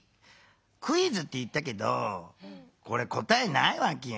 「クイズ」って言ったけどこれ答えないわけよ。